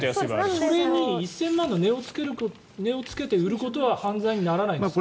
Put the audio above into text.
それに１０００万の値をつけて売ることは犯罪にならないんですか？